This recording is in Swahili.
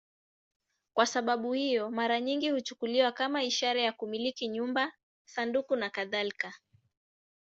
Kwa sababu hiyo, mara nyingi huchukuliwa kama ishara ya kumiliki nyumba, sanduku nakadhalika.